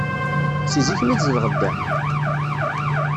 Si zik mi tzedɣeḍ da?